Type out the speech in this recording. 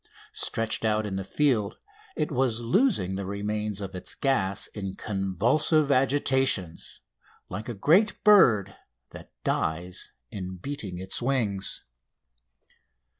Stretched out in the field, it was losing the remains of its gas in convulsive agitations, like a great bird that dies in beating its wings.